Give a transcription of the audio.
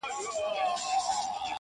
خدای ته دعا زوال د موسيقۍ نه غواړم”